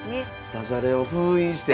ダジャレを封印して。